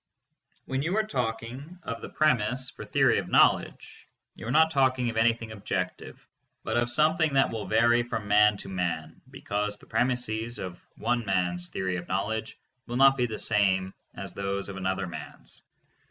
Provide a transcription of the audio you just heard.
When you are talking of the premise for theory of knowledge, you are not talking of anything objective, but of something that will vary from man to man, because the premises of one man's theory of knowledge will not be the same as those of another man's.